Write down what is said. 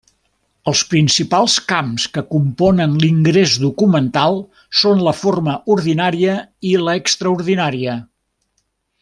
Els principals camps que componen l'ingrés documental són la forma ordinària i l'extraordinària.